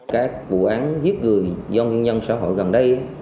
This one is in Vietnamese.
các vụ án giết người do nguyên nhân xã hội gần đây